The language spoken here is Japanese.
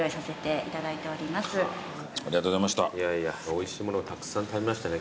おいしいものたくさん食べましたね